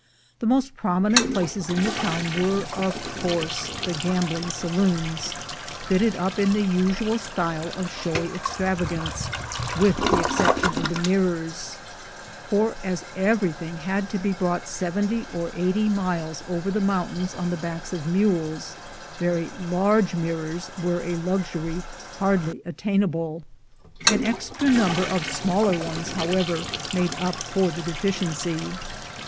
The most prominent places in the town were of course the gambling saloons, fitted up in the usual style of showy extravagance, with the exception of the mirrors; for as everything had to be brought seventy or eighty miles over the mountains on the backs of mules, very large mirrors were a luxury hardly attainable; an extra number of smaller ones, however, made up for the deficiency.